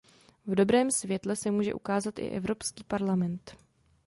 V dobrém světle se může ukázat i Evropský parlament.